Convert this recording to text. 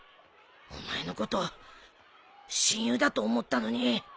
お前のこと親友だと思ったのに。